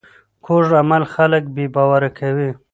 کوږ عمل خلک بې باوره کوي